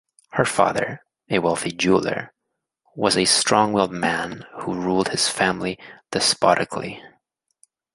Her father, a wealthy jeweler, was a strong-willed man who ruled his family despotically.